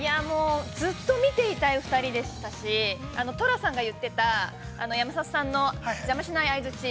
◆ずっと見ていたい２人でしたしトラさんが言ってた山里さんの邪魔しない相づち。